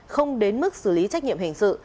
không đến mức xử lý trách nhiệm hình sự